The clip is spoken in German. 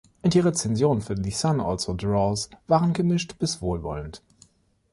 Die Rezensionen für "The Son Also Draws" waren gemischt bis wohlwollend.